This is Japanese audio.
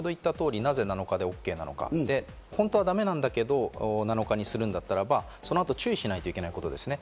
先程言った通り、なぜＯＫなのか、本当はだめなんだけど７日にするんだったらばそのあと注意しないといけないことですね。